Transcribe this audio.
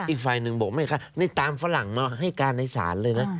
อีกฝ่ายหนึ่งบอกแม่ค้านี่ตามฝรั่งมาให้การในศาลเลยนะ